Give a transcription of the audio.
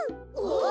ああ。